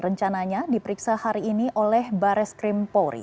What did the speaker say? rencananya diperiksa hari ini oleh bares krim polri